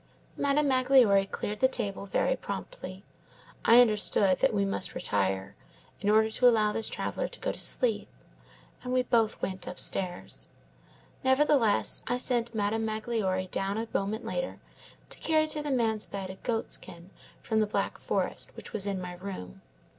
Madame Magloire cleared the table very promptly. I understood that we must retire, in order to allow this traveller to go to sleep, and we both went upstairs. Nevertheless, I sent Madame Magloire down a moment later, to carry to the man's bed a goat skin from the Black Forest, which was in my room.